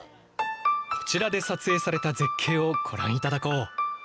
こちらで撮影された絶景をご覧いただこう。